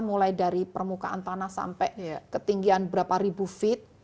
mulai dari permukaan tanah sampai ketinggian berapa ribu feet